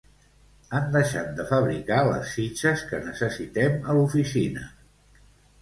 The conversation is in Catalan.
Han deixat de fabricar les fitxes que necessitem a l'oficina